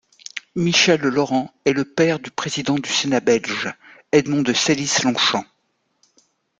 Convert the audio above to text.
Michel-Laurent est le père du président du Sénat belge, Edmond de Sélys Longchamps.